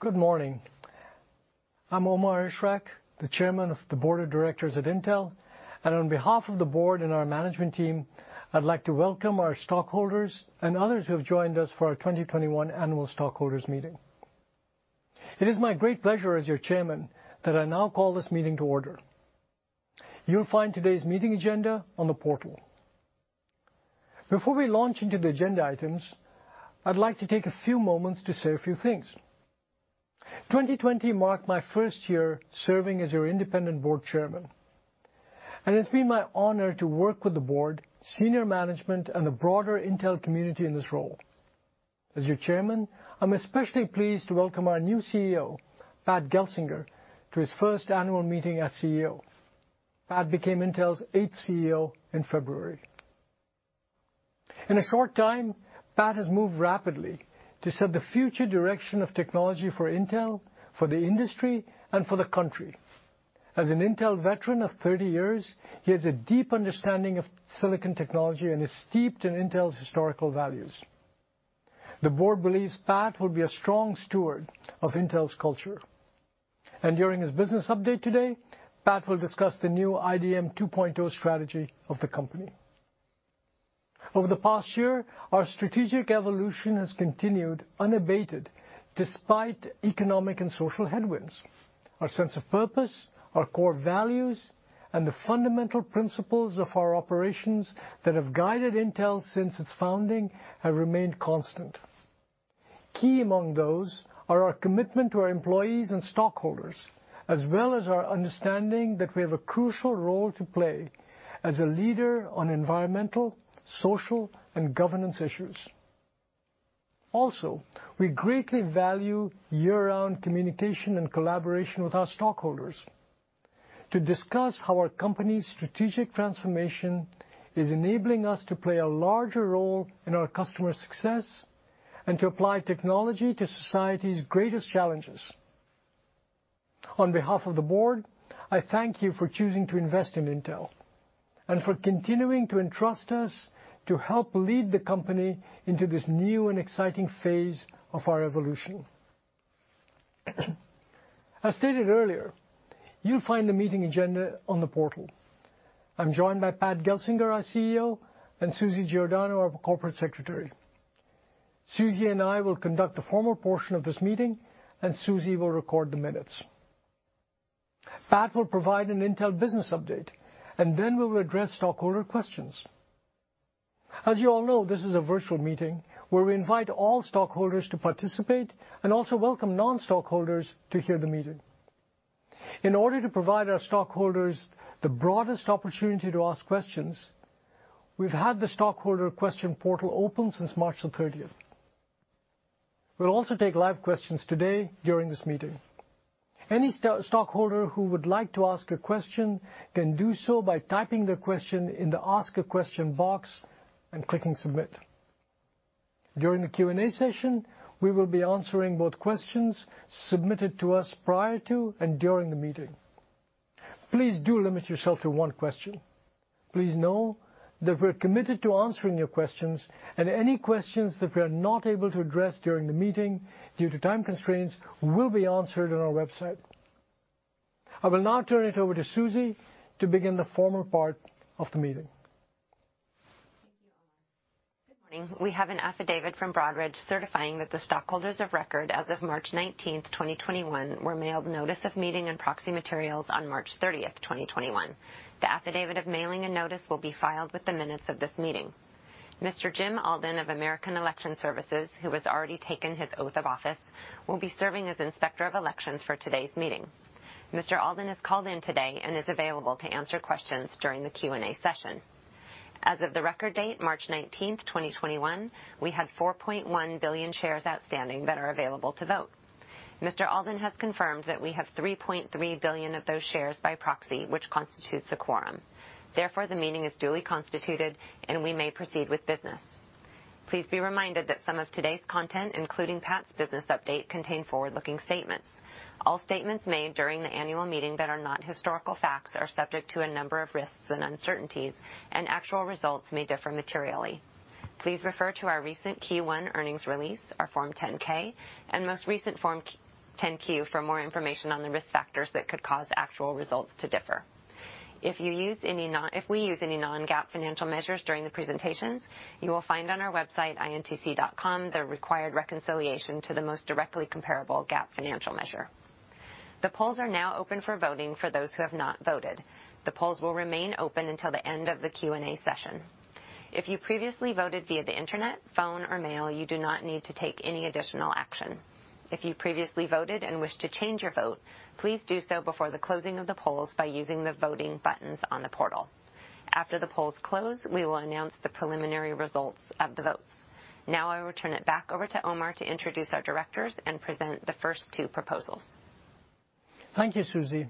Good morning. I'm Omar Ishrak, the Chairman of the Board of Directors at Intel, and on behalf of the board and our management team, I'd like to welcome our stockholders and others who have joined us for our 2021 Annual Stockholders Meeting. It is my great pleasure as your chairman that I now call this meeting to order. You'll find today's meeting agenda on the portal. Before we launch into the agenda items, I'd like to take a few moments to say a few things. 2020 marked my first year serving as your independent board chairman, and it's been my honor to work with the board, senior management, and the broader Intel community in this role. As your chairman, I'm especially pleased to welcome our new CEO, Pat Gelsinger, to his first annual meeting as CEO. Pat became Intel's eighth CEO in February. In a short time, Pat has moved rapidly to set the future direction of technology for Intel, for the industry, and for the country. As an Intel veteran of 30 years, he has a deep understanding of silicon technology and is steeped in Intel's historical values. The board believes Pat will be a strong steward of Intel's culture. During his business update today, Pat will discuss the new IDM 2.0 strategy of the company. Over the past year, our strategic evolution has continued unabated despite economic and social headwinds. Our sense of purpose, our core values, and the fundamental principles of our operations that have guided Intel since its founding have remained constant. Key among those are our commitment to our employees and stockholders, as well as our understanding that we have a crucial role to play as a leader on environmental, social, and governance issues. We greatly value year-round communication and collaboration with our stockholders to discuss how our company's strategic transformation is enabling us to play a larger role in our customers' success and to apply technology to society's greatest challenges. On behalf of the board, I thank you for choosing to invest in Intel and for continuing to entrust us to help lead the company into this new and exciting phase of our evolution. I stated earlier, you'll find the meeting agenda on the portal. I'm joined by Pat Gelsinger, our CEO, and Susie Giordano, our Corporate Secretary. Susie and I will conduct the formal portion of this meeting, and Susie will record the minutes. Pat will provide an Intel business update, and then we will address stockholder questions. As you all know, this is a virtual meeting where we invite all stockholders to participate and also welcome non-stockholders to hear the meeting. In order to provide our stockholders the broadest opportunity to ask questions, we've had the stockholder question portal open since March the 30th. We'll also take live questions today during this meeting. Any stockholder who would like to ask a question can do so by typing their question in the Ask a Question box and clicking Submit. During the Q&A session, we will be answering both questions submitted to us prior to and during the meeting. Please do limit yourself to one question. Please know that we're committed to answering your questions, and any questions that we are not able to address during the meeting due to time constraints will be answered on our website. I will now turn it over to Susie to begin the formal part of the meeting. Thank you, Omar. Good morning. We have an affidavit from Broadridge certifying that the stockholders of record as of March 19th, 2021, were mailed notice of meeting and proxy materials on March 30th, 2021. The affidavit of mailing and notice will be filed with the minutes of this meeting. Mr. Jim Alden of American Election Services, who has already taken his oath of office, will be serving as Inspector of Elections for today's meeting. Mr. Alden has called in today and is available to answer questions during the Q&A session. As of the record date, March 19th, 2021, we had 4.1 billion shares outstanding that are available to vote. Mr. Alden has confirmed that we have 3.3 billion of those shares by proxy, which constitutes a quorum. Therefore, the meeting is duly constituted, and we may proceed with business. Please be reminded that some of today's content, including Pat's business update, contain forward-looking statements. All statements made during the annual meeting that are not historical facts are subject to a number of risks and uncertainties, and actual results may differ materially. Please refer to our recent Q1 earnings release, our Form 10-K, and most recent Form 10-Q for more information on the risk factors that could cause actual results to differ. If we use any non-GAAP financial measures during the presentations, you will find on our website, intc.com, the required reconciliation to the most directly comparable GAAP financial measure. The polls are now open for voting for those who have not voted. The polls will remain open until the end of the Q&A session. If you previously voted via the internet, phone, or mail, you do not need to take any additional action. If you previously voted and wish to change your vote, please do so before the closing of the polls by using the voting buttons on the portal. After the polls close, we will announce the preliminary results of the votes. Now, I will turn it back over to Omar to introduce our directors and present the first two proposals. Thank you, Susie.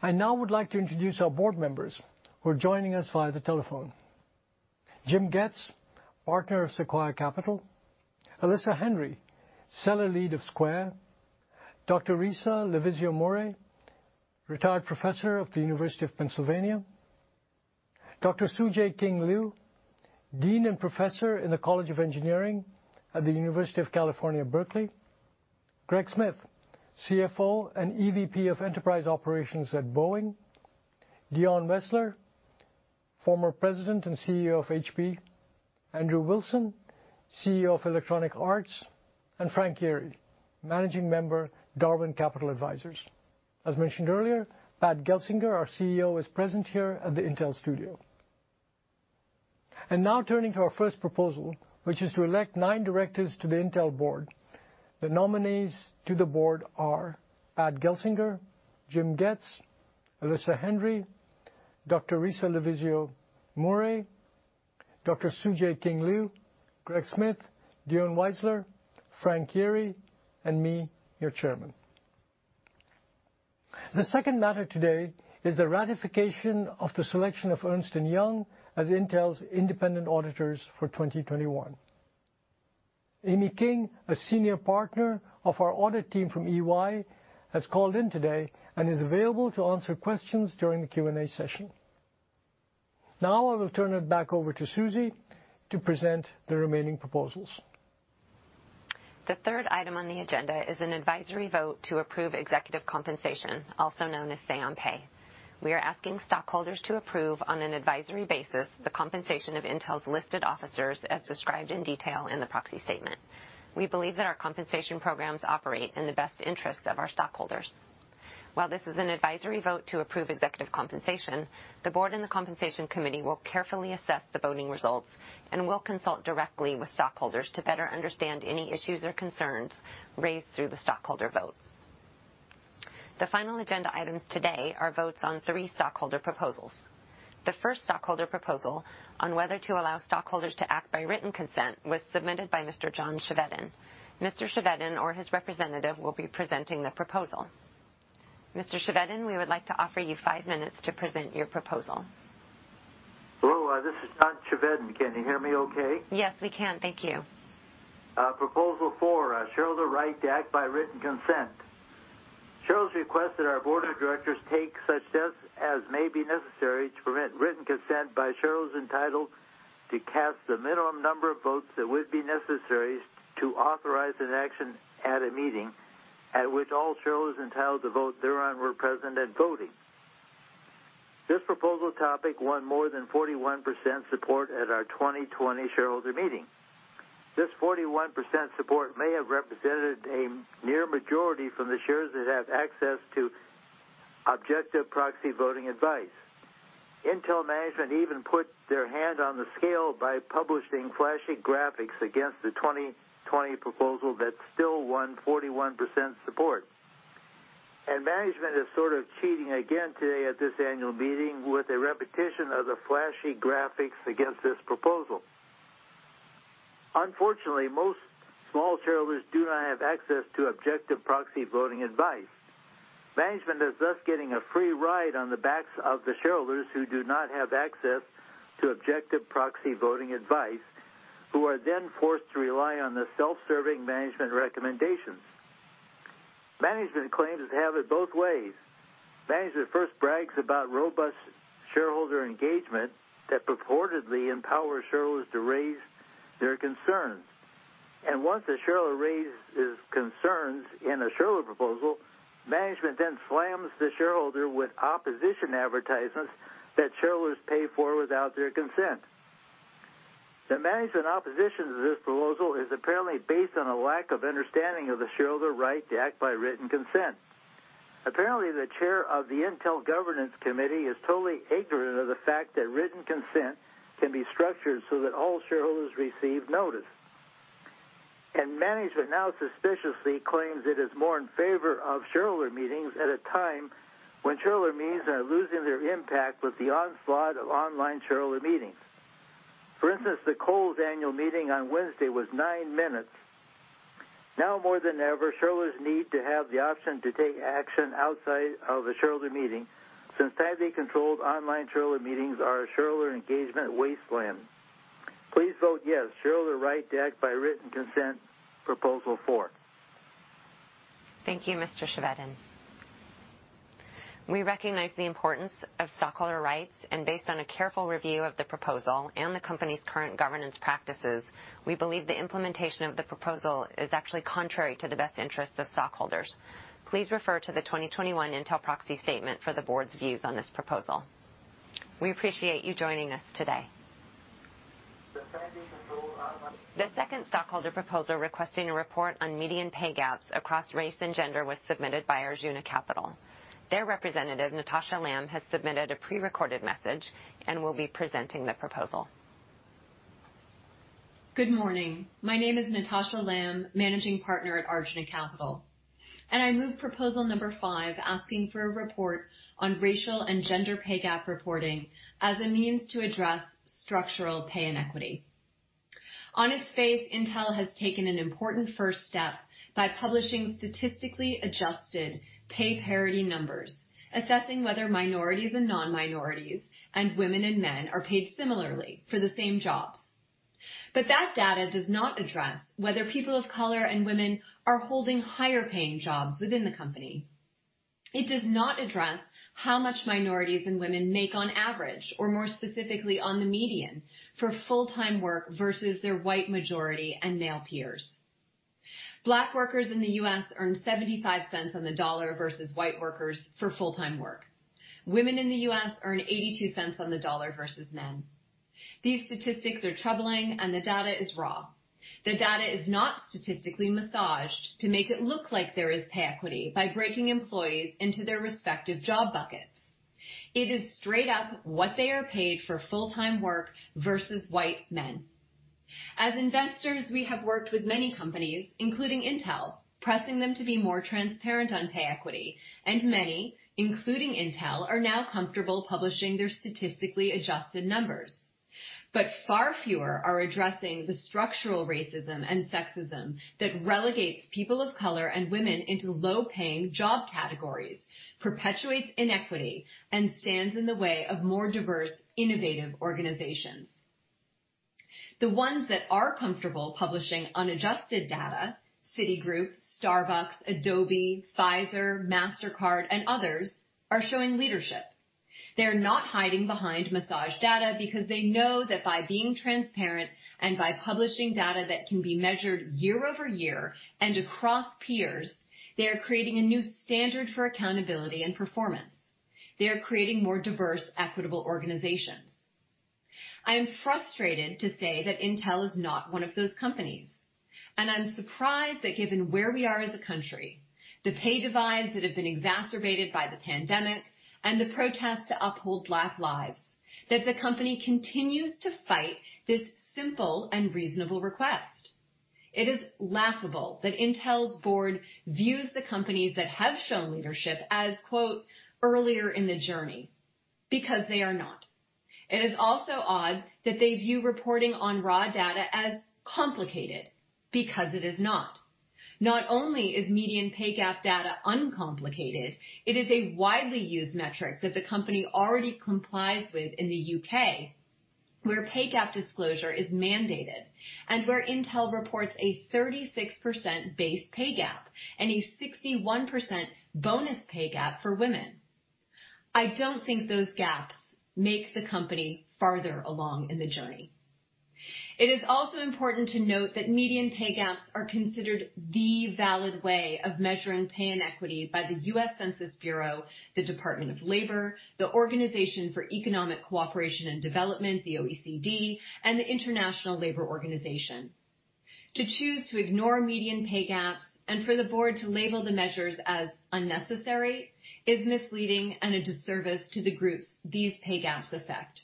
I now would like to introduce our board members who are joining us via the telephone. Jim Goetz, partner of Sequoia Capital. Alyssa Henry, Seller Lead of Square. Dr. Risa Lavizzo-Mourey, retired professor of the University of Pennsylvania. Dr. Tsu-Jae King Liu, dean and professor in the College of Engineering at the University of California, Berkeley. Greg Smith, CFO and EVP of Enterprise Operations at Boeing. Dion Weisler, former president and CEO of HP. Andrew Wilson, CEO of Electronic Arts, and Frank Yeary, managing member, Darwin Capital Advisors. As mentioned earlier, Pat Gelsinger, our CEO, is present here at the Intel Studio. Now turning to our first proposal, which is to elect nine directors to the Intel board. The nominees to the board are Pat Gelsinger, Jim Goetz, Alyssa Henry, Dr. Risa Lavizzo-Mourey, Dr. Tsu-Jae King Liu, Greg Smith, Dion Weisler, Frank Yeary, and me, your chairman. The second matter today is the ratification of the selection of Ernst & Young as Intel's independent auditors for 2021. Amy King, a senior partner of our audit team from EY, has called in today and is available to answer questions during the Q&A session. I will turn it back over to Susie to present the remaining proposals. The third item on the agenda is an advisory vote to approve executive compensation, also known as say on pay. We are asking stockholders to approve on an advisory basis the compensation of Intel's listed officers as described in detail in the proxy statement. We believe that our compensation programs operate in the best interests of our stockholders. While this is an advisory vote to approve executive compensation, the board and the compensation committee will carefully assess the voting results and will consult directly with stockholders to better understand any issues or concerns raised through the stockholder vote. The final agenda items today are votes on three stockholder proposals. The first stockholder proposal on whether to allow stockholders to act by written consent was submitted by Mr. John Chevedden. Mr. Chevedden or his representative will be presenting the proposal. Mr. Chevedden, we would like to offer you five minutes to present your proposal. Hello, this is John Chevedden. Can you hear me okay? Yes, we can. Thank you. Proposal four, shareholder right to act by written consent. Shareholders request that our board of directors take such steps as may be necessary to permit written consent by shareholders entitled to cast the minimum number of votes that would be necessary to authorize an action at a meeting at which all shareholders entitled to vote thereon were present at voting. This proposal topic won more than 41% support at our 2020 shareholder meeting. This 41% support may have represented a near majority from the shareholders that have access to objective proxy voting advice. Intel management even put their hand on the scale by publishing flashy graphics against the 2020 proposal that still won 41% support. Management is sort of cheating again today at this annual meeting with a repetition of the flashy graphics against this proposal. Unfortunately, most small shareholders do not have access to objective proxy voting advice. Management is thus getting a free ride on the backs of the shareholders who do not have access to objective proxy voting advice, who are then forced to rely on the self-serving management recommendations. Management claims to have it both ways. Management first brags about robust shareholder engagement that purportedly empowers shareholders to raise their concerns. Once the shareholder raises concerns in a shareholder proposal, management then slams the shareholder with opposition advertisements that shareholders pay for without their consent. The management opposition to this proposal is apparently based on a lack of understanding of the shareholder right to act by written consent. Apparently, the chair of the Intel Governance Committee is totally ignorant of the fact that written consent can be structured so that all shareholders receive notice. Management now suspiciously claims it is more in favor of shareholder meetings at a time when shareholder meetings are losing their impact with the onslaught of online shareholder meetings. For instance, the Kohl's annual meeting on Wednesday was nine minutes. Now more than ever, shareholders need to have the option to take action outside of the shareholder meeting since tightly controlled online shareholder meetings are a shareholder engagement wasteland. Please vote yes, shareholder right to act by written consent, proposal four. Thank you, Mr. Chevedden. We recognize the importance of stockholder rights, and based on a careful review of the proposal and the company's current governance practices, we believe the implementation of the proposal is actually contrary to the best interests of stockholders. Please refer to the 2021 Intel proxy statement for the board's views on this proposal. We appreciate you joining us today. The second stockholder proposal requesting a report on median pay gaps across race and gender was submitted by Arjuna Capital. Their representative, Natasha Lamb, has submitted a prerecorded message and will be presenting the proposal. Good morning. My name is Natasha Lamb, managing partner at Arjuna Capital, I move proposal number five asking for a report on racial and gender pay gap reporting as a means to address structural pay inequity. On its face, Intel has taken an important first step by publishing statistically adjusted pay parity numbers, assessing whether minorities and non-minorities and women and men are paid similarly for the same jobs. That data does not address whether people of color and women are holding higher paying jobs within the company. It does not address how much minorities and women make on average, or more specifically, on the median for full-time work versus their white majority and male peers. Black workers in the U.S. earn $0.75 on the dollar versus white workers for full-time work. Women in the U.S. earn $0.82 on the dollar versus men. These statistics are troubling, and the data is raw. The data is not statistically massaged to make it look like there is pay equity by breaking employees into their respective job buckets. It is straight up what they are paid for full-time work versus white men. As investors, we have worked with many companies, including Intel, pressing them to be more transparent on pay equity, and many, including Intel, are now comfortable publishing their statistically adjusted numbers. Far fewer are addressing the structural racism and sexism that relegates people of color and women into low-paying job categories, perpetuates inequity, and stands in the way of more diverse, innovative organizations. The ones that are comfortable publishing unadjusted data, Citigroup, Starbucks, Adobe, Pfizer, Mastercard, and others, are showing leadership. They're not hiding behind massaged data because they know that by being transparent and by publishing data that can be measured year-over-year and across peers, they are creating a new standard for accountability and performance. They are creating more diverse, equitable organizations. I am frustrated to say that Intel is not one of those companies, and I'm surprised that given where we are as a country, the pay divides that have been exacerbated by the pandemic, and the protests to uphold Black lives, that the company continues to fight this simple and reasonable request. It is laughable that Intel's board views the companies that have shown leadership as, quote, "earlier in the journey," because they are not. It is also odd that they view reporting on raw data as complicated, because it is not. Not only is median pay gap data uncomplicated, it is a widely used metric that the company already complies with in the U.K., where pay gap disclosure is mandated and where Intel reports a 36% base pay gap and a 61% bonus pay gap for women. I don't think those gaps make the company farther along in the journey. It is also important to note that median pay gaps are considered the valid way of measuring pay inequity by the U.S. Census Bureau, the Department of Labor, the Organisation for Economic Co-operation and Development, the OECD, and the International Labour Organization. To choose to ignore median pay gaps and for the board to label the measures as unnecessary is misleading and a disservice to the groups these pay gaps affect.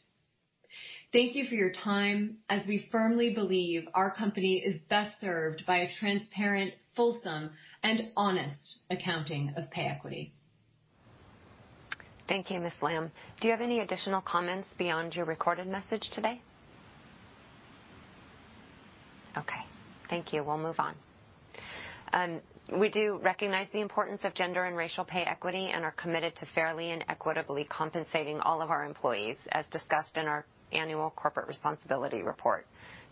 Thank you for your time. As we firmly believe our company is best served by a transparent, fulsome, and honest accounting of pay equity. Thank you, Ms. Lamb. Do you have any additional comments beyond your recorded message today? Okay, thank you. We'll move on. We do recognize the importance of gender and racial pay equity and are committed to fairly and equitably compensating all of our employees, as discussed in our annual corporate responsibility report.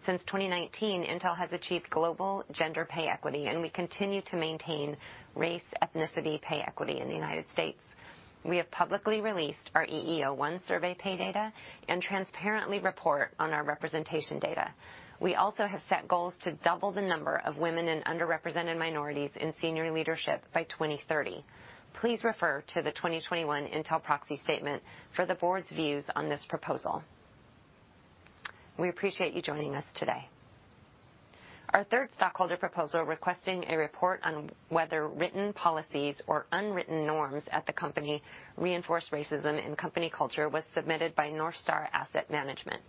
Since 2019, Intel has achieved global gender pay equity, and we continue to maintain race ethnicity pay equity in the United States. We have publicly released our EEO-1 survey pay data and transparently report on our representation data. We also have set goals to double the number of women in underrepresented minorities in senior leadership by 2030. Please refer to the 2021 Intel proxy statement for the board's views on this proposal. We appreciate you joining us today. Our third stockholder proposal, requesting a report on whether written policies or unwritten norms at the company reinforce racism in company culture, was submitted by NorthStar Asset Management.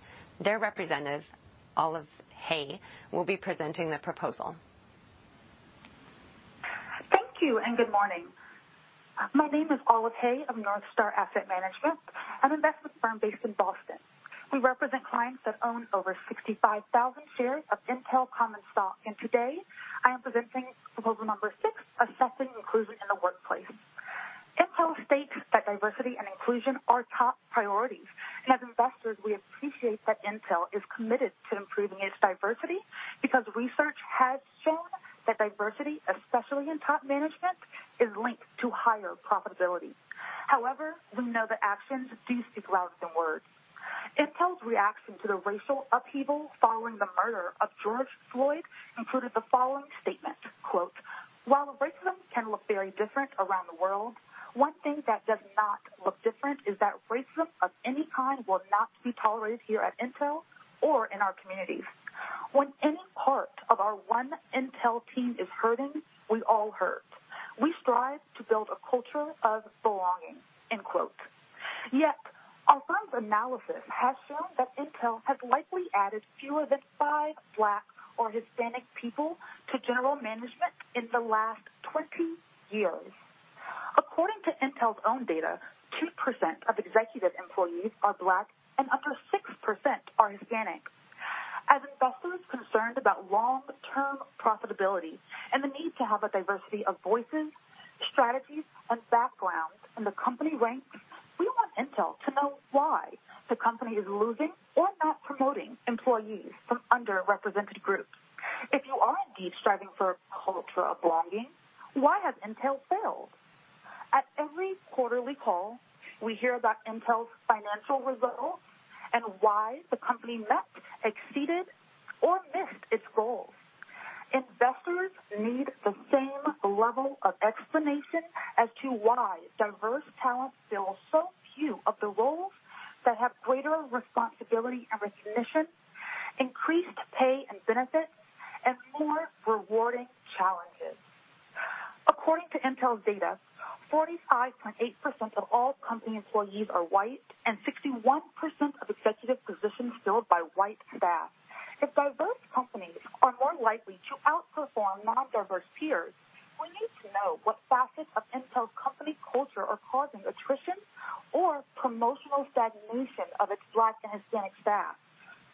Their representative, Olive Haye, will be presenting the proposal. Thank you, and good morning. My name is Olive Haye of NorthStar Asset Management, an investment firm based in Boston. We represent clients that own over 65,000 shares of Intel common stock. Today, I am presenting proposal number six, assessing inclusion in the workplace. Intel states that diversity and inclusion are top priorities. As investors, we appreciate that Intel is committed to improving its diversity because research has shown that diversity, especially in top management, is linked to higher profitability. However, we know that actions do speak louder than words. Intel's reaction to the racial upheaval following the murder of George Floyd included the following statement, "While racism can look very different around the world, one thing that does not look different is that racism of any kind will not be tolerated here at Intel or in our communities. When any part of our one Intel team is hurting, we all hurt. We strive to build a culture of belonging." End quote. Yet, our firm's analysis has shown that Intel has likely added fewer than five Black or Hispanic people to general management in the last 20 years. According to Intel's own data, 2% of executive employees are Black and up to 6% are Hispanic. As investors concerned about long-term profitability and the need to have a diversity of voices, strategies, and backgrounds in the company ranks want Intel to know why the company is losing or not promoting employees from underrepresented groups. If you are indeed striving for a culture of belonging, why has Intel failed? At every quarterly call, we hear about Intel's financial results and why the company met, exceeded, or missed its goals. Investors need the same level of explanation as to why diverse talent fill so few of the roles that have greater responsibility and recognition, increased pay and benefits, and more rewarding challenges. According to Intel's data, 45.8% of all company employees are white and 61% of executive positions filled by white staff. If diverse companies are more likely to outperform non-diverse peers, we need to know what facets of Intel's company culture are causing attrition or promotional stagnation of its Black and Hispanic staff.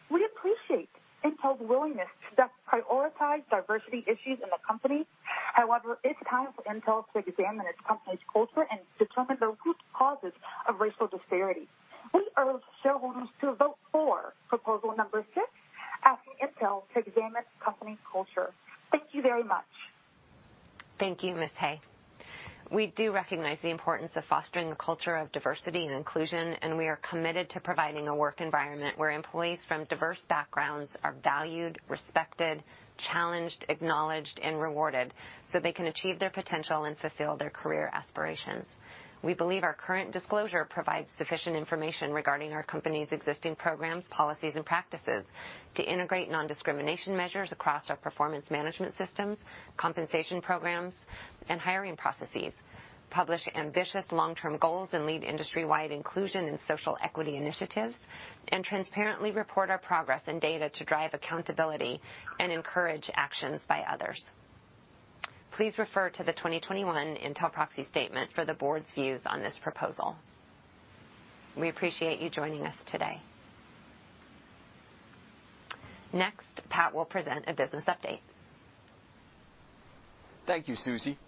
We appreciate Intel's willingness to thus prioritize diversity issues in the company. However, it's time for Intel to examine its company's culture and determine the root causes of racial disparity. We urge shareholders to vote for proposal number six, asking Intel to examine its company's culture. Thank you very much. Thank you, Ms. Haye. We do recognize the importance of fostering a culture of diversity and inclusion, and we are committed to providing a work environment where employees from diverse backgrounds are valued, respected, challenged, acknowledged, and rewarded so they can achieve their potential and fulfill their career aspirations. We believe our current disclosure provides sufficient information regarding our company's existing programs, policies, and practices to integrate non-discrimination measures across our performance management systems, compensation programs, and hiring processes, publish ambitious long-term goals, and lead industry-wide inclusion and social equity initiatives, and transparently report our progress and data to drive accountability and encourage actions by others. Please refer to the 2021 Intel proxy statement for the Board's views on this proposal. We appreciate you joining us today. Next, Pat will present a business update. Thank you, Susie.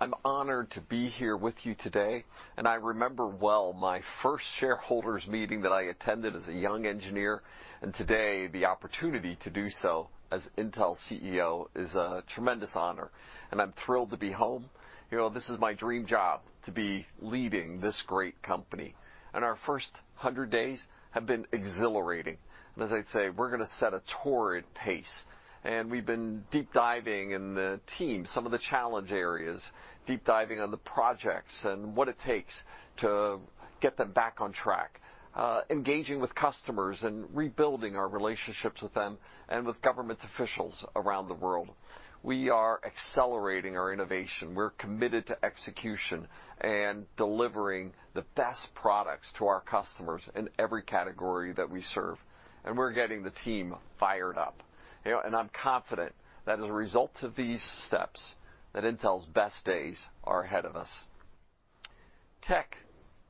I'm honored to be here with you today. I remember well my first shareholders meeting that I attended as a young engineer. Today the opportunity to do so as Intel CEO is a tremendous honor and I'm thrilled to be home. This is my dream job, to be leading this great company. Our first 100 days have been exhilarating. As I'd say, we're going to set a torrid pace. We've been deep diving in the team, some of the challenge areas, deep diving on the projects and what it takes to get them back on track, engaging with customers and rebuilding our relationships with them and with government officials around the world. We are accelerating our innovation. We're committed to execution and delivering the best products to our customers in every category that we serve. We're getting the team fired up. I'm confident that as a result of these steps, that Intel's best days are ahead of us. Tech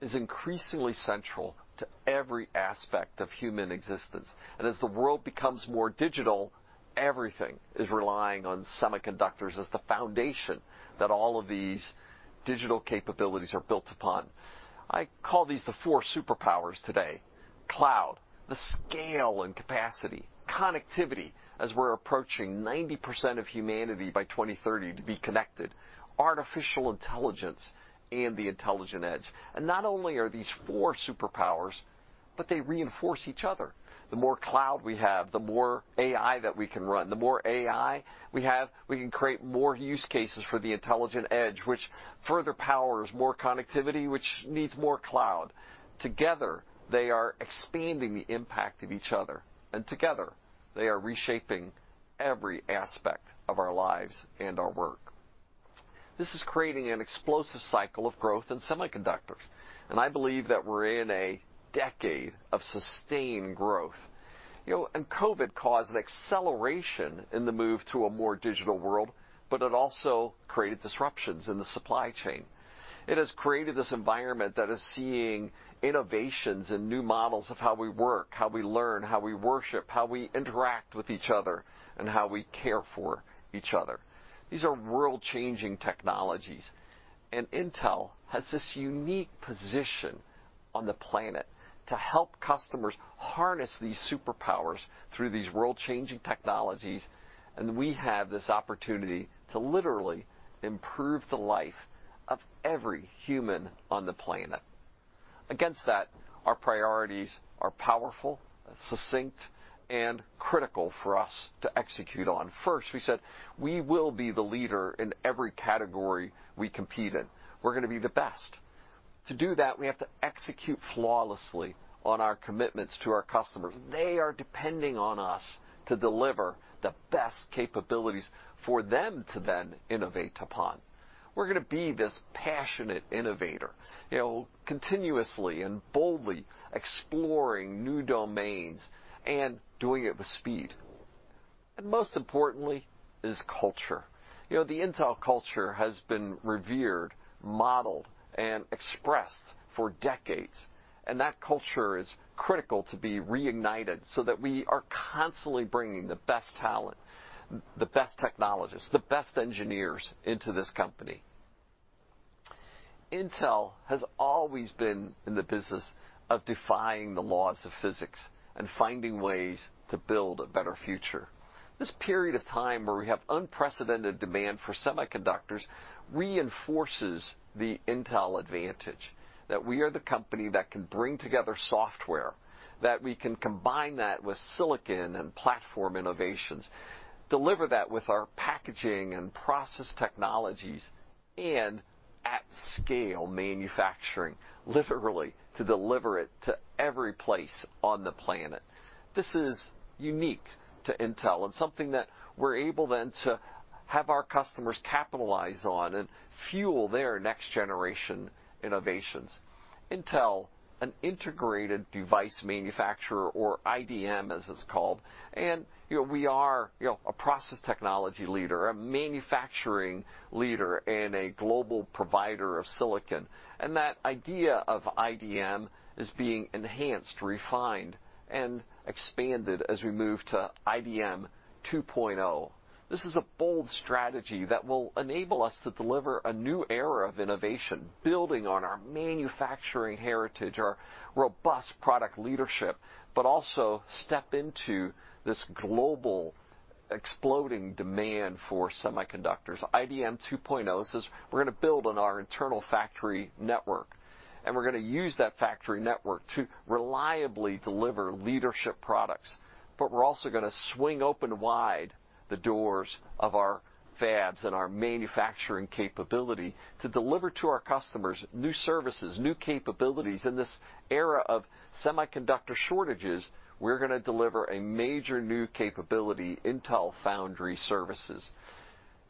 is increasingly central to every aspect of human existence. As the world becomes more digital, everything is relying on semiconductors as the foundation that all of these digital capabilities are built upon. I call these the four superpowers today. cloud, the scale and capacity. connectivity, as we're approaching 90% of humanity by 2030 to be connected. Artificial intelligence and the intelligent edge. Not only are these four superpowers, but they reinforce each other. The more cloud we have, the more AI that we can run. The more AI we have, we can create more use cases for the intelligent edge, which further powers more connectivity, which needs more cloud. Together, they are expanding the impact of each other. Together they are reshaping every aspect of our lives and our work. This is creating an explosive cycle of growth in semiconductors. I believe that we're in a decade of sustained growth. COVID caused an acceleration in the move to a more digital world, but it also created disruptions in the supply chain. It has created this environment that is seeing innovations and new models of how we work, how we learn, how we worship, how we interact with each other, and how we care for each other. These are world-changing technologies. Intel has this unique position on the planet to help customers harness these superpowers through these world-changing technologies. We have this opportunity to literally improve the life of every human on the planet. Against that, our priorities are powerful, succinct, and critical for us to execute on. First, we said we will be the leader in every category we compete in. We're going to be the best. To do that, we have to execute flawlessly on our commitments to our customers. They are depending on us to deliver the best capabilities for them to then innovate upon. We're going to be this passionate innovator, continuously and boldly exploring new domains and doing it with speed. Most importantly is culture. The Intel culture has been revered, modeled, and expressed for decades, and that culture is critical to be reignited so that we are constantly bringing the best talent, the best technologists, the best engineers into this company. Intel has always been in the business of defying the laws of physics and finding ways to build a better future. This period of time, where we have unprecedented demand for semiconductors, reinforces the Intel advantage, that we are the company that can bring together software, that we can combine that with silicon and platform innovations, deliver that with our packaging and process technologies, and at-scale manufacturing, literally to deliver it to every place on the planet. This is unique to Intel and something that we're able, then, to have our customers capitalize on and fuel their next-generation innovations. Intel, an integrated device manufacturer, or IDM, as it's called, we are a process technology leader, a manufacturing leader, and a global provider of silicon. That idea of IDM is being enhanced, refined, and expanded as we move to IDM 2.0. This is a bold strategy that will enable us to deliver a new era of innovation, building on our manufacturing heritage, our robust product leadership, but also step into this global exploding demand for semiconductors. IDM 2.0 says we're going to build on our internal factory network, and we're going to use that factory network to reliably deliver leadership products. We're also going to swing open wide the doors of our fabs and our manufacturing capability to deliver to our customers new services, new capabilities. In this era of semiconductor shortages, we're going to deliver a major new capability, Intel Foundry Services.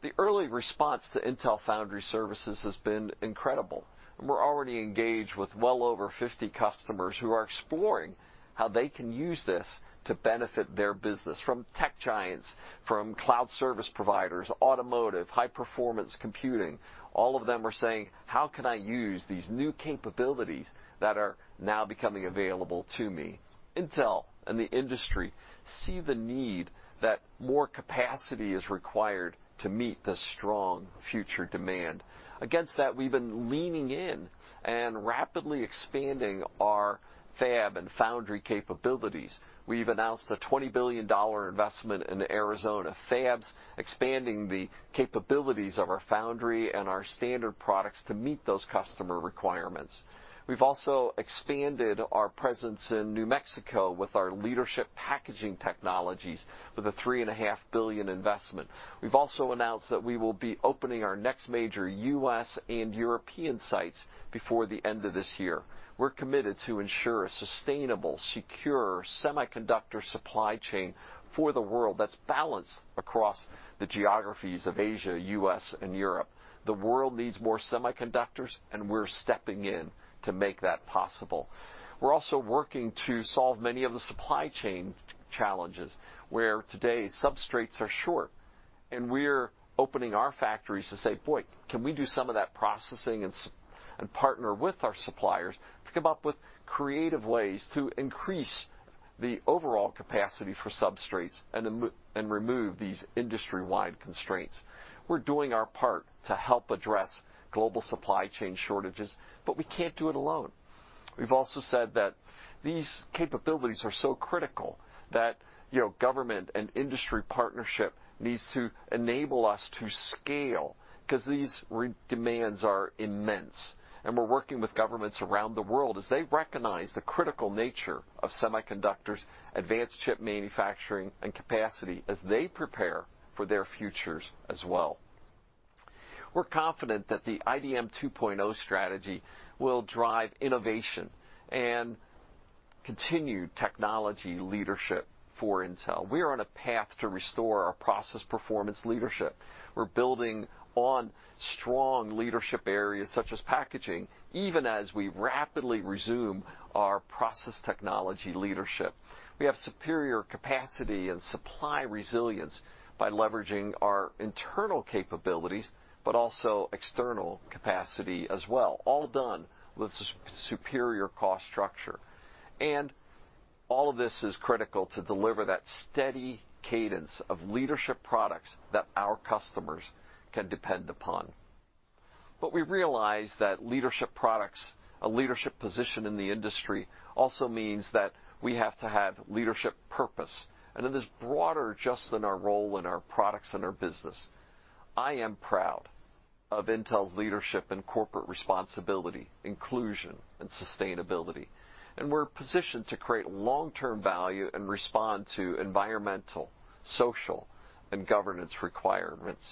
The early response to Intel Foundry Services has been incredible. We're already engaged with well over 50 customers who are exploring how they can use this to benefit their business, from tech giants, from cloud service providers, automotive, high-performance computing. All of them are saying, "How can I use these new capabilities that are now becoming available to me?" Intel and the industry see the need that more capacity is required to meet the strong future demand. Against that, we've been leaning in and rapidly expanding our fab and foundry capabilities. We've announced a $20 billion investment in Arizona fabs, expanding the capabilities of our foundry and our standard products to meet those customer requirements. We've also expanded our presence in New Mexico with our leadership packaging technologies with a three and a half billion investment. We've also announced that we will be opening our next major U.S. and European sites before the end of this year. We're committed to ensure a sustainable, secure semiconductor supply chain for the world that's balanced across the geographies of Asia, U.S., and Europe. The world needs more semiconductors. We're stepping in to make that possible. We're also working to solve many of the supply chain challenges, where today's substrates are short, and we're opening our factories to say, "Boy, can we do some of that processing and partner with our suppliers to come up with creative ways to increase the overall capacity for substrates and remove these industry-wide constraints?" We're doing our part to help address global supply chain shortages. We can't do it alone. We've also said that these capabilities are so critical that government and industry partnership needs to enable us to scale because these demands are immense. We're working with governments around the world as they recognize the critical nature of semiconductors, advanced chip manufacturing, and capacity as they prepare for their futures as well. We're confident that the IDM 2.0 strategy will drive innovation and continued technology leadership for Intel. We are on a path to restore our process performance leadership. We're building on strong leadership areas such as packaging, even as we rapidly resume our process technology leadership. We have superior capacity and supply resilience by leveraging our internal capabilities, but also external capacity as well, all done with superior cost structure. All of this is critical to deliver that steady cadence of leadership products that our customers can depend upon. We realize that leadership products, a leadership position in the industry, also means that we have to have leadership purpose, and it is broader just than our role in our products and our business. I am proud of Intel's leadership and corporate responsibility, inclusion, and sustainability, and we're positioned to create long-term value and respond to environmental, social, and governance requirements.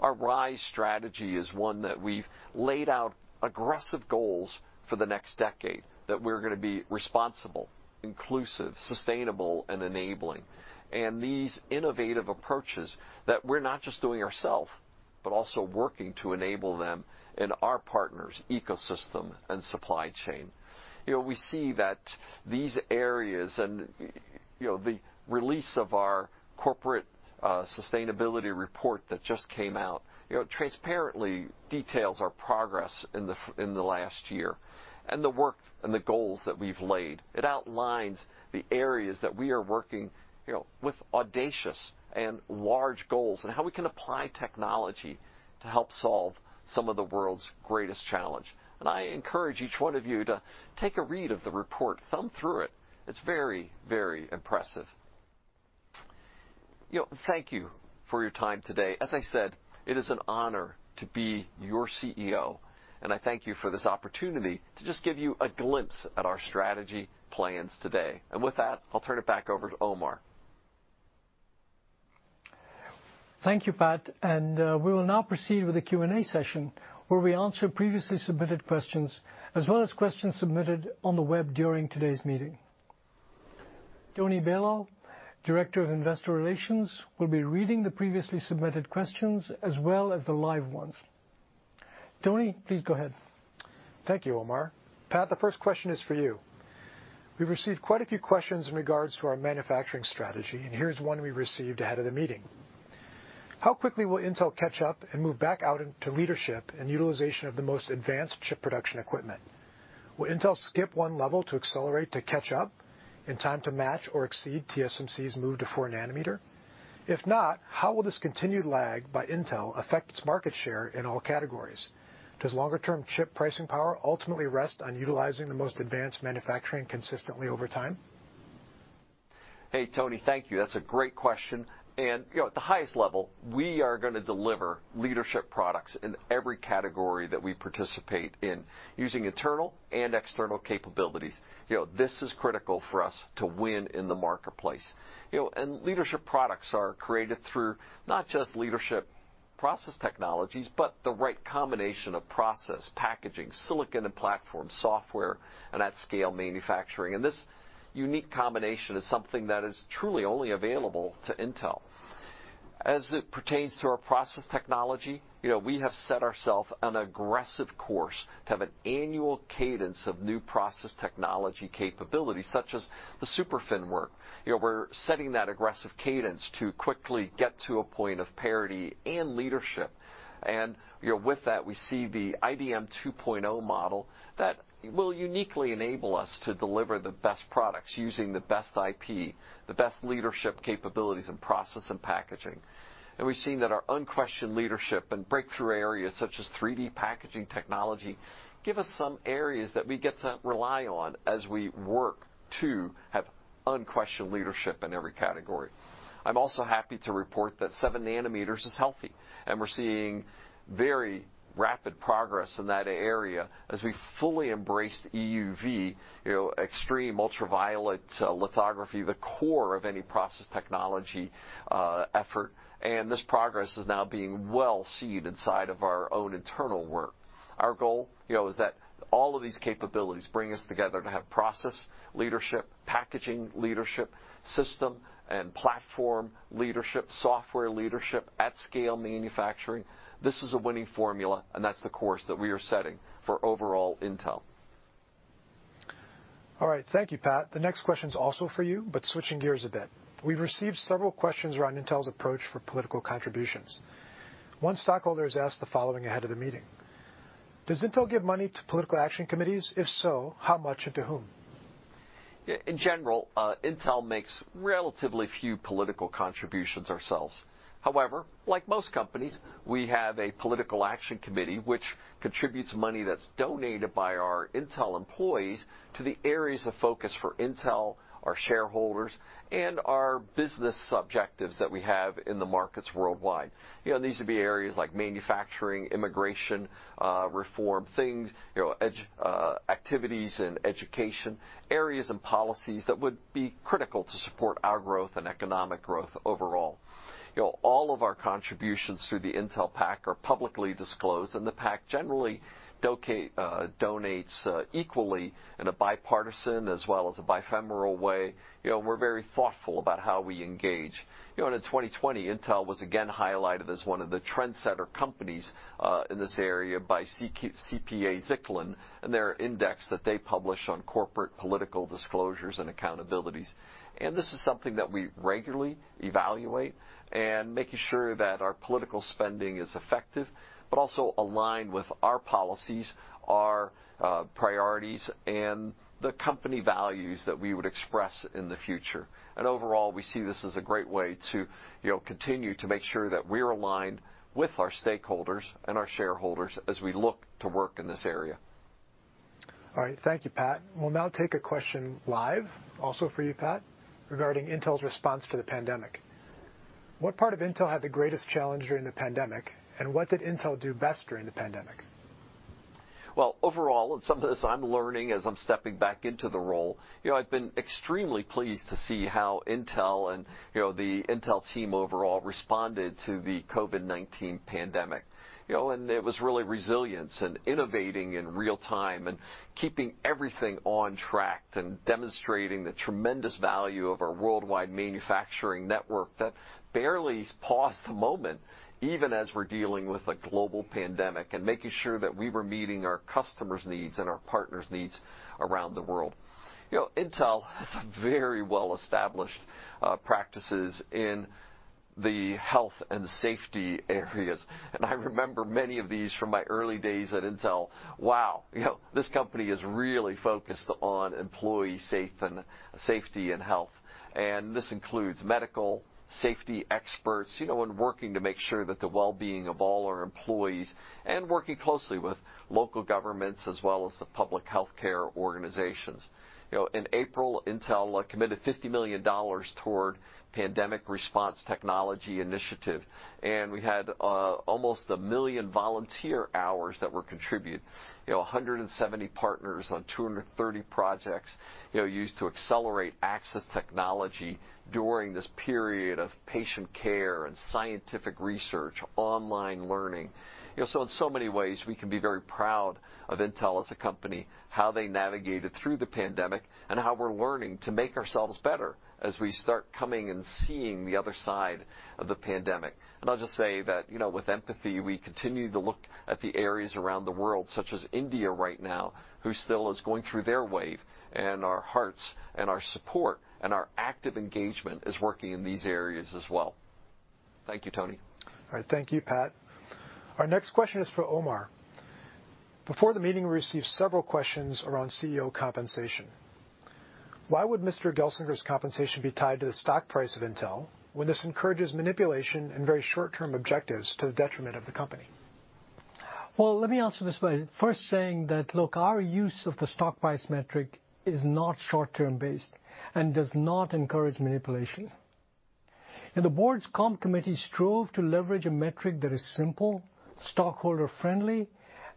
Our RISE strategy is one that we've laid out aggressive goals for the next decade, that we're going to be responsible, inclusive, sustainable, and enabling. These innovative approaches that we're not just doing ourselves, but also working to enable them in our partners' ecosystem and supply chain. We see that these areas and the release of our corporate sustainability report that just came out transparently details our progress in the last year and the work and the goals that we've laid. It outlines the areas that we are working with audacious and large goals and how we can apply technology to help solve some of the world's greatest challenges. I encourage each one of you to take a read of the report, thumb through it. It's very, very impressive. Thank you for your time today. As I said, it is an honor to be your CEO, and I thank you for this opportunity to just give you a glimpse at our strategy plans today. With that, I'll turn it back over to Omar. Thank you, Pat. We will now proceed with the Q&A session, where we answer previously submitted questions as well as questions submitted on the web during today's meeting. Tony Balow, director of investor relations, will be reading the previously submitted questions as well as the live ones. Tony, please go ahead. Thank you, Omar. Pat, the first question is for you. We've received quite a few questions in regards to our manufacturing strategy, and here's one we received ahead of the meeting. How quickly will Intel catch up and move back out into leadership and utilization of the most advanced chip production equipment? Will Intel skip one level to accelerate to catch up in time to match or exceed TSMC's move to four nanometer? If not, how will this continued lag by Intel affect its market share in all categories? Does longer-term chip pricing power ultimately rest on utilizing the most advanced manufacturing consistently over time? Hey, Tony. Thank you. That's a great question. At the highest level, we are going to deliver leadership products in every category that we participate in, using internal and external capabilities. This is critical for us to win in the marketplace. Leadership products are created through not just leadership process technologies, but the right combination of process, packaging, silicon and platform software, and at-scale manufacturing. This unique combination is something that is truly only available to Intel. As it pertains to our process technology, we have set ourself an aggressive course to have an annual cadence of new process technology capabilities, such as the SuperFin work. We're setting that aggressive cadence to quickly get to a point of parity and leadership. With that, we see the IDM 2.0 model that will uniquely enable us to deliver the best products using the best IP, the best leadership capabilities in process and packaging. We've seen that our unquestioned leadership in breakthrough areas such as 3D packaging technology give us some areas that we get to rely on as we work to have unquestioned leadership in every category. I'm also happy to report that 7 nm is healthy, and we're seeing very rapid progress in that area as we fully embrace EUV, extreme ultraviolet lithography, the core of any process technology effort. This progress is now being well-seeded inside of our own internal work. Our goal is that all of these capabilities bring us together to have process leadership, packaging leadership, system and platform leadership, software leadership, at-scale manufacturing. This is a winning formula, and that's the course that we are setting for overall Intel. All right. Thank you, Pat. The next question's also for you, but switching gears a bit. We've received several questions around Intel's approach for political contributions. One stockholder has asked the following ahead of the meeting: Does Intel give money to political action committees? If so, how much and to whom? In general, Intel makes relatively few political contributions ourselves. However, like most companies, we have a political action committee which contributes money that's donated by our Intel employees to the areas of focus for Intel, our shareholders, and our business objectives that we have in the markets worldwide. These would be areas like manufacturing, immigration reform, activities in education, areas and policies that would be critical to support our growth and economic growth overall. All of our contributions through the Intel PAC are publicly disclosed, and the PAC generally donates equally in a bipartisan as well as a bicameral way. We're very thoughtful about how we engage. In 2020, Intel was again highlighted as one of the trendsetter companies in this area by CPA-Zicklin and their index that they publish on corporate political disclosures and accountabilities. This is something that we regularly evaluate and making sure that our political spending is effective, but also aligned with our policies, our priorities, and the company values that we would express in the future. Overall, we see this as a great way to continue to make sure that we're aligned with our stakeholders and our shareholders as we look to work in this area. All right. Thank you, Pat. We'll now take a question live, also for you, Pat, regarding Intel's response to the pandemic. What part of Intel had the greatest challenge during the pandemic, and what did Intel do best during the pandemic? Overall, some of this I'm learning as I'm stepping back into the role. I've been extremely pleased to see how Intel and the Intel team overall responded to the COVID-19 pandemic. It was really resilience and innovating in real time and keeping everything on track and demonstrating the tremendous value of our worldwide manufacturing network that barely paused a moment, even as we're dealing with a global pandemic and making sure that we were meeting our customers' needs and our partners' needs around the world. Intel has very well-established practices in the health and safety areas. I remember many of these from my early days at Intel. Wow, this company is really focused on employee safety and health. This includes medical safety experts, and working to make sure that the well-being of all our employees, and working closely with local governments as well as the public healthcare organizations. In April, Intel committed $50 million toward Pandemic Response Technology Initiative, and we had almost a million volunteer hours that were contributed. 170 partners on 230 projects, used to accelerate access technology during this period of patient care and scientific research, online learning. In so many ways, we can be very proud of Intel as a company, how they navigated through the pandemic, and how we're learning to make ourselves better as we start coming and seeing the other side of the pandemic. I'll just say that with empathy, we continue to look at the areas around the world, such as India right now, who still is going through their wave, and our hearts and our support and our active engagement is working in these areas as well. Thank you, Tony. All right. Thank you, Pat. Our next question is for Omar. Before the meeting, we received several questions around CEO compensation. Why would Mr. Gelsinger's compensation be tied to the stock price of Intel when this encourages manipulation and very short-term objectives to the detriment of the company? Well, let me answer this by first saying that, look, our use of the stock price metric is not short-term based and does not encourage manipulation. The board's comp committee strove to leverage a metric that is simple, stockholder-friendly,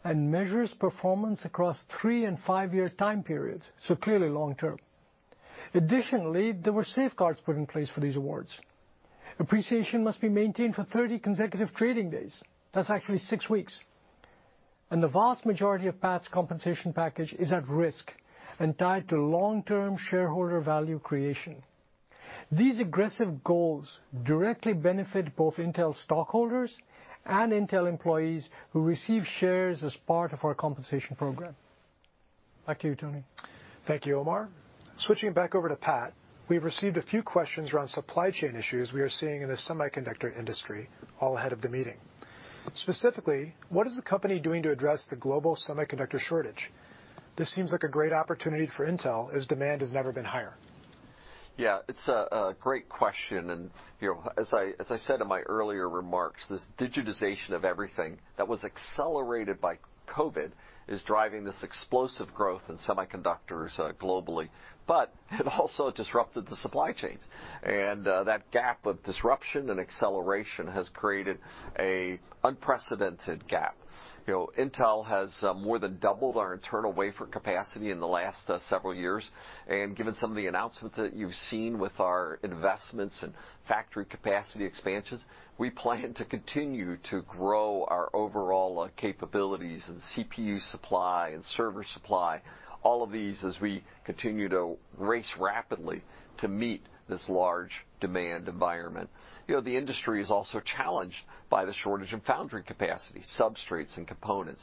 and measures performance across three and five-year time periods, so clearly long-term. Additionally, there were safeguards put in place for these awards. Appreciation must be maintained for 30 consecutive trading days. That's actually six weeks. The vast majority of Pat's compensation package is at risk and tied to long-term shareholder value creation. These aggressive goals directly benefit both Intel stockholders and Intel employees who receive shares as part of our compensation program. Back to you, Tony. Thank you, Omar. Switching back over to Pat, we've received a few questions around supply chain issues we are seeing in the semiconductor industry, all ahead of the meeting. Specifically, what is the company doing to address the global semiconductor shortage? This seems like a great opportunity for Intel, as demand has never been higher. Yeah, it's a great question. As I said in my earlier remarks, this digitization of everything that was accelerated by COVID is driving this explosive growth in semiconductors globally. It also disrupted the supply chains. That gap of disruption and acceleration has created an unprecedented gap. Intel has more than doubled our internal wafer capacity in the last several years, and given some of the announcements that you've seen with our investments and factory capacity expansions, we plan to continue to grow our overall capabilities and CPU supply and server supply, all of these as we continue to race rapidly to meet this large demand environment. The industry is also challenged by the shortage in foundry capacity, substrates, and components.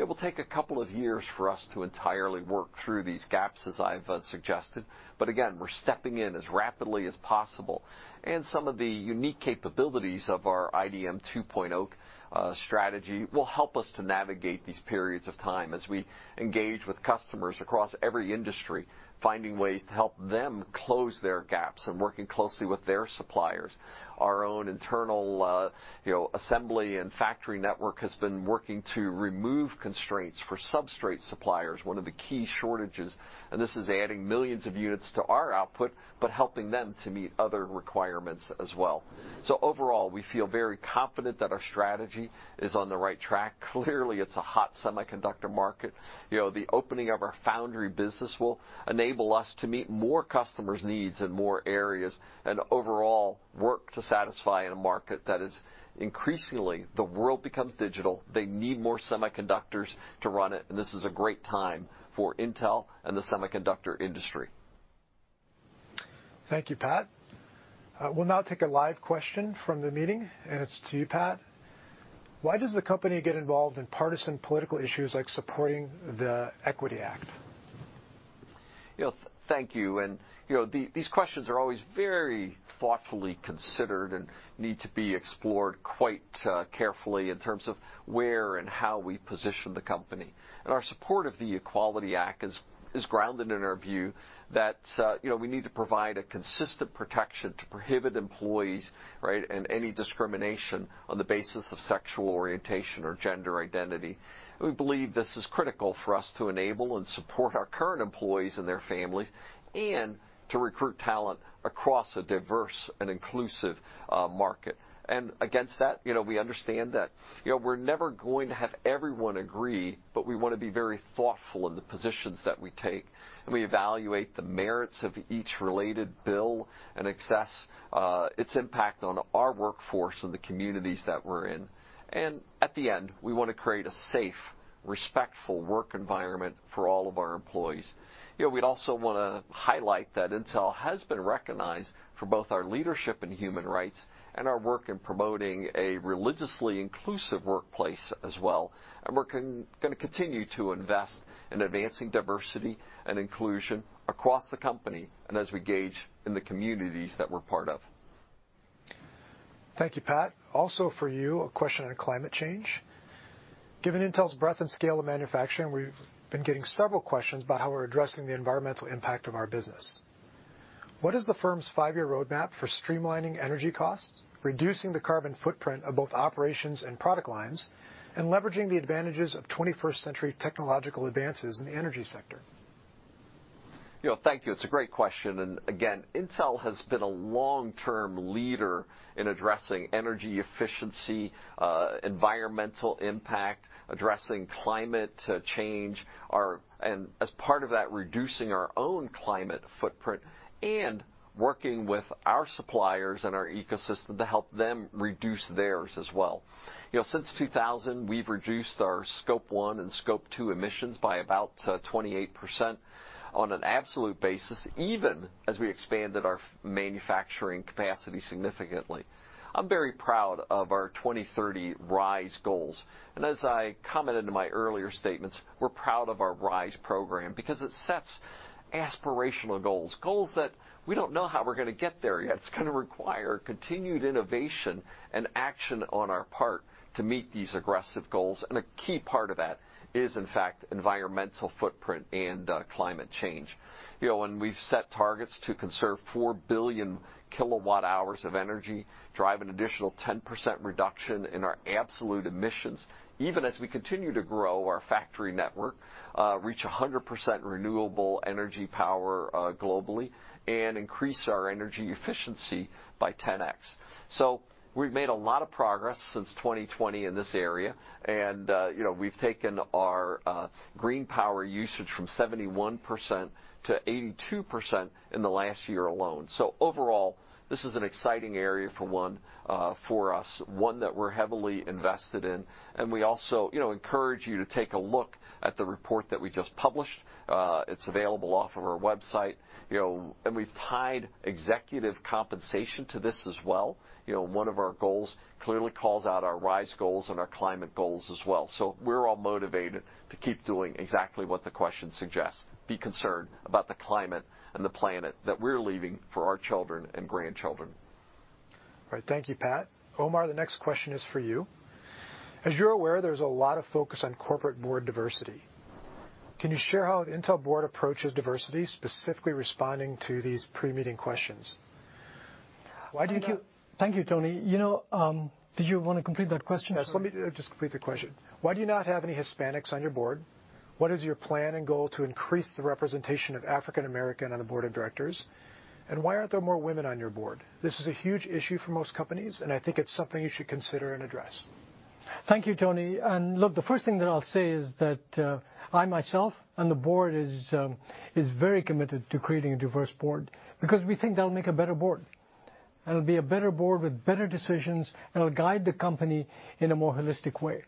It will take a couple of years for us to entirely work through these gaps, as I've suggested, but again, we're stepping in as rapidly as possible. Some of the unique capabilities of our IDM 2.0 strategy will help us to navigate these periods of time as we engage with customers across every industry, finding ways to help them close their gaps and working closely with their suppliers. Our own internal assembly and factory network has been working to remove constraints for substrate suppliers, one of the key shortages, and this is adding millions of units to our output, but helping them to meet other requirements as well. Overall, we feel very confident that our strategy is on the right track. Clearly, it's a hot semiconductor market. The opening of our foundry business will enable us to meet more customers' needs in more areas, and overall work to satisfy in a market that is increasingly, the world becomes digital, they need more semiconductors to run it, and this is a great time for Intel and the semiconductor industry. Thank you, Pat. We'll now take a live question from the meeting, and it's to you, Pat. Why does the company get involved in partisan political issues like supporting the Equality Act? Thank you. These questions are always very thoughtfully considered and need to be explored quite carefully in terms of where and how we position the company. Our support of the Equality Act is grounded in our view that we need to provide a consistent protection to prohibit employees, right, and any discrimination on the basis of sexual orientation or gender identity. We believe this is critical for us to enable and support our current employees and their families, and to recruit talent across a diverse and inclusive market. Against that, we understand that we're never going to have everyone agree, but we want to be very thoughtful in the positions that we take, and we evaluate the merits of each related bill and assess its impact on our workforce and the communities that we're in. At the end, we want to create a safe, respectful work environment for all of our employees. We'd also want to highlight that Intel has been recognized for both our leadership in human rights and our work in promoting a religiously inclusive workplace as well. We're going to continue to invest in advancing diversity and inclusion across the company, and as we engage in the communities that we're part of. Thank you, Pat. Also for you, a question on climate change. Given Intel's breadth and scale of manufacturing, we've been getting several questions about how we're addressing the environmental impact of our business. What is the firm's five-year roadmap for streamlining energy costs, reducing the carbon footprint of both operations and product lines, and leveraging the advantages of 21st century technological advances in the energy sector? Thank you. It's a great question, and again, Intel has been a long-term leader in addressing energy efficiency, environmental impact, addressing climate change, and as part of that, reducing our own climate footprint and working with our suppliers and our ecosystem to help them reduce theirs as well. Since 2000, we've reduced our scope one and scope two emissions by about 28% on an absolute basis, even as we expanded our manufacturing capacity significantly. I'm very proud of our 2030 RISE goals, and as I commented in my earlier statements, we're proud of our RISE program because it sets aspirational goals that we don't know how we're going to get there yet. It's going to require continued innovation and action on our part to meet these aggressive goals, and a key part of that is, in fact, environmental footprint and climate change. We've set targets to conserve 4 billion kilowatt hours of energy, drive an additional 10% reduction in our absolute emissions even as we continue to grow our factory network, reach 100% renewable energy power globally, and increase our energy efficiency by 10X. We've made a lot of progress since 2020 in this area, and we've taken our green power usage from 71% to 82% in the last year alone. Overall, this is an exciting area for us, one that we're heavily invested in, and we also encourage you to take a look at the report that we just published. It's available off of our website. We've tied executive compensation to this as well. One of our goals clearly calls out our RISE goals and our climate goals as well. We're all motivated to keep doing exactly what the question suggests, be concerned about the climate and the planet that we're leaving for our children and grandchildren. Right. Thank you, Pat. Omar, the next question is for you. As you're aware, there's a lot of focus on corporate board diversity. Can you share how the Intel board approaches diversity, specifically responding to these pre-meeting questions? Thank you, Tony. Did you want to complete that question? Yes, let me just complete the question. Why do you not have any Hispanics on your board? What is your plan and goal to increase the representation of African Americans on the board of directors? Why aren't there more women on your board? This is a huge issue for most companies, and I think it's something you should consider and address. Thank you, Tony. Look, the first thing that I'll say is that I myself, and the board, is very committed to creating a diverse board because we think that'll make a better board, and it'll be a better board with better decisions, and it'll guide the company in a more holistic way.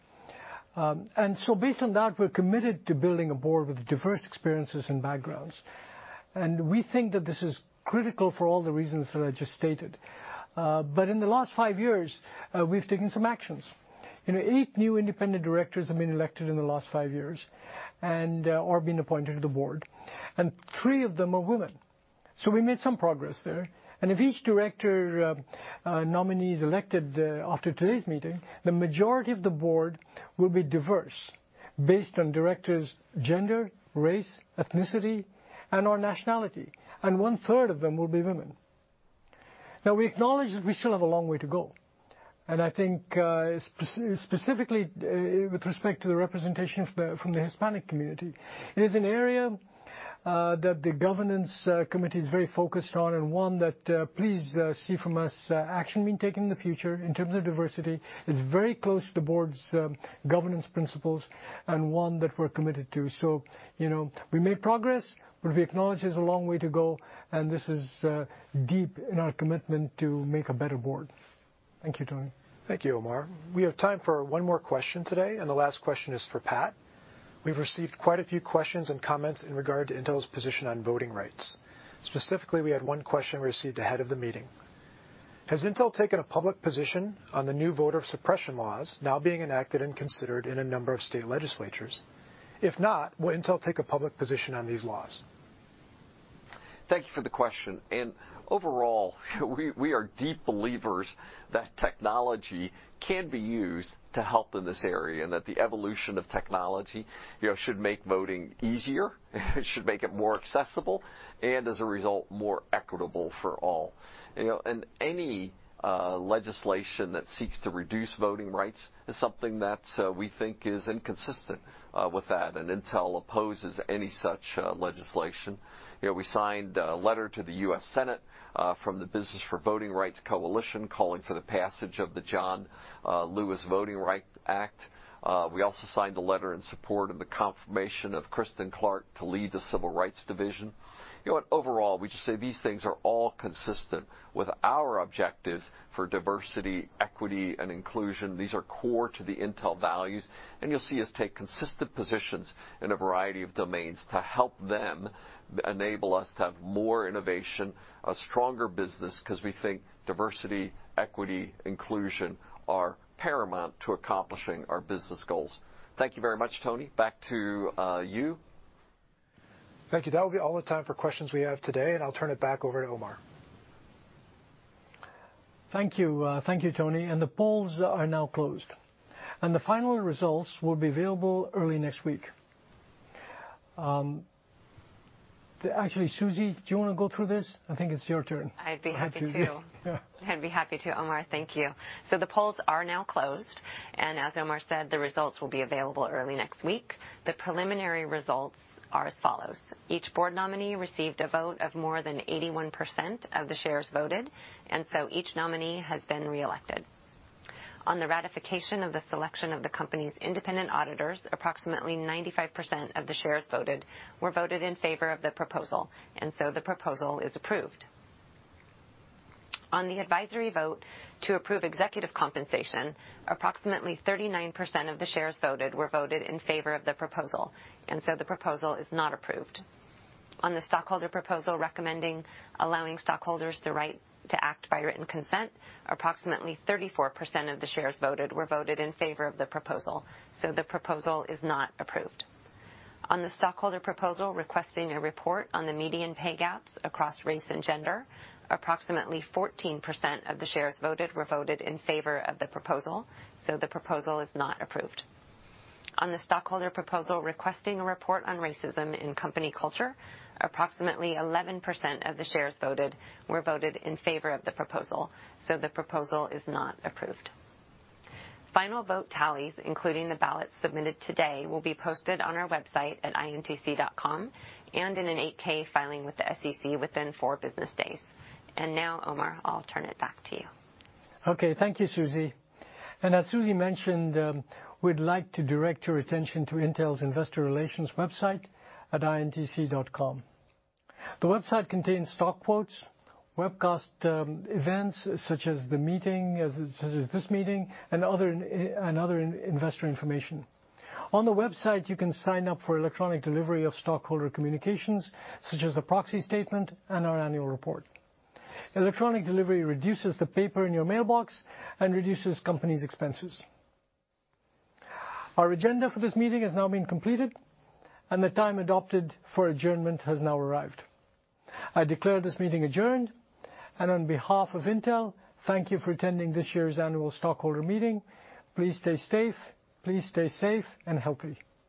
Based on that, we're committed to building a board with diverse experiences and backgrounds. We think that this is critical for all the reasons that I just stated. In the last five years, we've taken some actions. Eight new independent directors have been elected in the last five years or have been appointed to the board, and three of them are women. We made some progress there. If each director nominee is elected after today's meeting, the majority of the board will be diverse based on directors' gender, race, ethnicity, and/or nationality, and one-third of them will be women. We acknowledge that we still have a long way to go, and I think specifically with respect to the representation from the Hispanic community. It is an area that the governance committee is very focused on, and one that please see from us action being taken in the future in terms of diversity. It's very close to the board's governance principles and one that we're committed to. We made progress, but we acknowledge there's a long way to go, and this is deep in our commitment to make a better board. Thank you, Tony. Thank you, Omar. We have time for one more question today, and the last question is for Pat. We've received quite a few questions and comments in regard to Intel's position on voting rights. Specifically, we had one question we received ahead of the meeting. Has Intel taken a public position on the new voter suppression laws now being enacted and considered in a number of state legislatures? If not, will Intel take a public position on these laws? Thank you for the question. Overall, we are deep believers that technology can be used to help in this area and that the evolution of technology should make voting easier, should make it more accessible, and as a result, more equitable for all. Any legislation that seeks to reduce voting rights is something that we think is inconsistent with that, and Intel opposes any such legislation. We signed a letter to the U.S. Senate from the Business for Voting Rights Coalition calling for the passage of the John Lewis Voting Rights Act. We also signed a letter in support of the confirmation of Kristen Clarke to lead the Civil Rights Division. Overall, we just say these things are all consistent with our objectives for diversity, equity, and inclusion. These are core to the Intel values. You'll see us take consistent positions in a variety of domains to help them enable us to have more innovation, a stronger business, because we think diversity, equity, inclusion, are paramount to accomplishing our business goals. Thank you very much, Tony. Back to you. Thank you. That'll be all the time for questions we have today, and I'll turn it back over to Omar. Thank you, Tony. The polls are now closed. The final results will be available early next week. Actually, Susie Giordano, do you want to go through this? I think it's your turn. I'd be happy to. Yeah. I'd be happy to, Omar. Thank you. The polls are now closed, and as Omar said, the results will be available early next week. The preliminary results are as follows. Each board nominee received a vote of more than 81% of the shares voted, each nominee has been reelected. On the ratification of the selection of the company's independent auditors, approximately 95% of the shares voted were voted in favor of the proposal, the proposal is approved. On the advisory vote to approve executive compensation, approximately 39% of the shares voted were voted in favor of the proposal, the proposal is not approved. On the stockholder proposal recommending allowing stockholders the right to act by written consent, approximately 34% of the shares voted were voted in favor of the proposal. The proposal is not approved. On the stockholder proposal requesting a report on the median pay gaps across race and gender, approximately 14% of the shares voted were voted in favor of the proposal, so the proposal is not approved. On the stockholder proposal requesting a report on racism in company culture, approximately 11% of the shares voted were voted in favor of the proposal, so the proposal is not approved. Final vote tallies, including the ballots submitted today, will be posted on our website at intc.com and in an 8-K filing with the SEC within four business days. Now, Omar, I'll turn it back to you. Okay. Thank you, Susie. As Susie mentioned, we'd like to direct your attention to Intel's investor relations website at intc.com. The website contains stock quotes, webcast events such as this meeting, and other investor information. On the website, you can sign up for electronic delivery of stockholder communications, such as the proxy statement and our annual report. Electronic delivery reduces the paper in your mailbox and reduces company's expenses. Our agenda for this meeting has now been completed, and the time adopted for adjournment has now arrived. I declare this meeting adjourned, and on behalf of Intel, thank you for attending this year's annual stockholder meeting. Please stay safe and healthy.